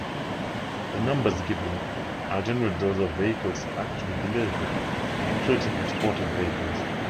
The numbers given are generally those of vehicles actually delivered including exported vehicles.